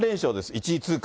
１位通過。